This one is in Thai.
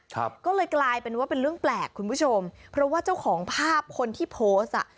ครับก็เลยกลายเป็นว่าเป็นเรื่องแปลกคุณผู้ชมเพราะว่าเจ้าของภาพคนที่โพสต์อ่ะ